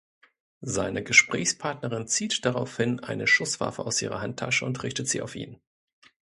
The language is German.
Seine Gesprächspartnerin zieht daraufhin eine Schusswaffe aus ihrer Handtasche und richtet sie auf ihn.